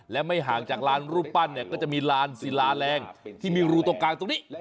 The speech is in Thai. และไม่ห่างจากลานรูปปั้นเนี่ยก็จะมีลานศิลาแรงที่มีรูตรงกลางตรงนี้